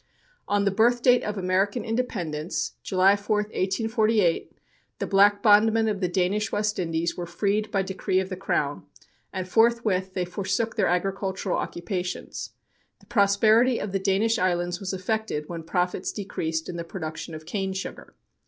On the birth date of American Independence, July 4, 1848, the black bondmen of the Danish West Indies were freed by decree of the Crown, and forthwith they forsook their agricultural occupations. The prosperity of the Danish islands was affected when profits decreased in the production of cane sugar.